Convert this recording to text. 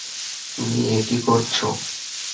তুমি একি করছো!